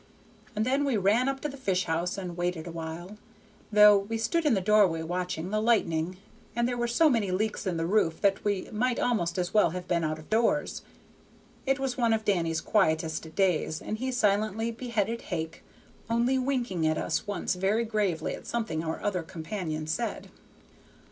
And then we ran up to the fish house and waited awhile, though we stood in the doorway watching the lightning, and there were so many leaks in the roof that we might almost as well have been out of doors. It was one of Danny's quietest days, and he silently beheaded hake, only winking at us once very gravely at something our other companion said.